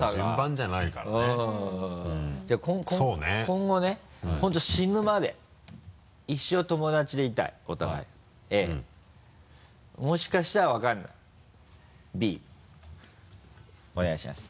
じゃあ今後ね本当死ぬまで一生友達でいたいお互い「Ａ」もしかしたら分からない「Ｂ」お願いします。